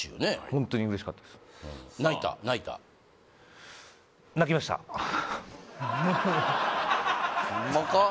ホントに嬉しかったです泣いた？泣いた？ホンマか？